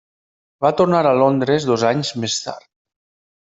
Va tornar a Londres dos anys més tard.